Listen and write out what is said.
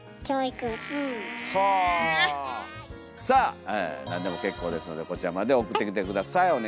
さあなんでも結構ですのでこちらまで送ってきて下さい。